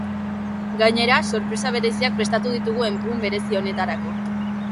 Gainera sorpresa bereziak prestatu ditugu egun berezi honetarako.